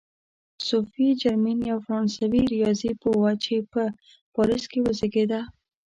صوفي جرمین یوه فرانسوي ریاضي پوهه وه چې په پاریس کې وزېږېده.